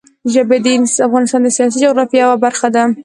ژبې د افغانستان د سیاسي جغرافیه یوه برخه ده.